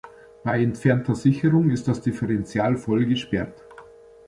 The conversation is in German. Bei entfernter Sicherung ist das Differential voll gesperrt.